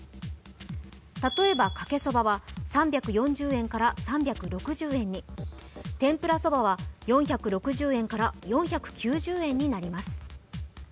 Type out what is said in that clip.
例えば、かけそばは３４０円から３６０円に、天ぷらそばは４６０円から４９０円になります。